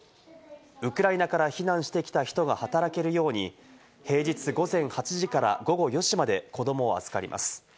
ウクライナから避難してきた人が働けるように平日午前８時から午後４時まで子どもを預かります。